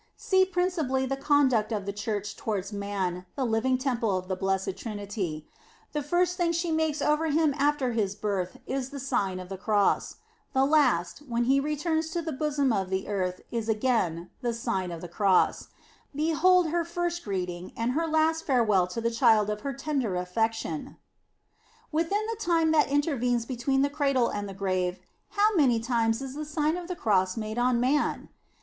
"* See principally the conduct of the Church towards man, the living temple of the Blessed Trinity. The first thing she makes over him after his birth is the Sign of the Cross ; the last, when he returns to the bosom of the earth is again the Sign of the Cross. Behold her first greeting, and her last farewell to the child of her tender affection ! *Keasons for the Office, etc. p. 270. In the Nineteenth Century. 51 Within the time that intervenes between the cradle and the grave, how many times is the Siooi of the Cross made on man